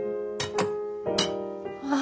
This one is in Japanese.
あ！